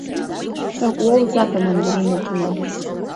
Такә уоузаап амандарина, Қьамал!